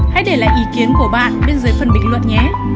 hãy để lại ý kiến của bạn bên dưới phần bình luận nhé